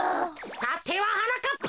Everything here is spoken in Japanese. さてははなかっぱ！